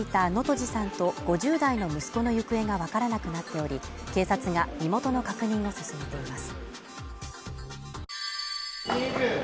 火事の後この家に住んでいた能登路さんと５０代の息子の行方がわからなくなっており、警察が身元の確認を進めています。